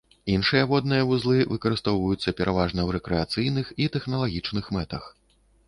Іншыя водныя вузлы выкарыстоўваюцца пераважна ў рэкрэацыйных і тэхналагічных мэтах.